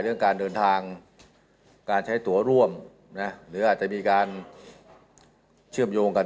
เรื่องการเดินทางการใช้ตัวร่วมนะหรืออาจจะมีการเชื่อมโยงกัน